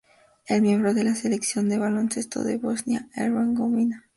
Es miembro de la Selección de baloncesto de Bosnia-Herzegovina.